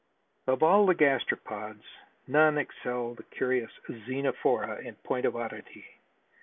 Of all the gastropods none excel the curious Xenophora in point of oddity.